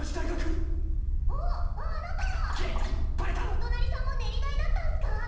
お隣さんも練大だったんスか。